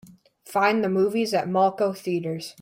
Find the movies at Malco Theatres.